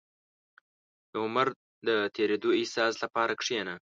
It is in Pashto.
• د عمر د تېرېدو احساس لپاره کښېنه.